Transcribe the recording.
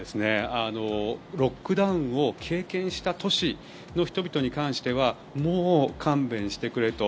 ロックダウンを経験した都市の人々に関してはもう勘弁してくれと。